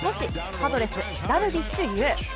パドレス・ダルビッシュ有。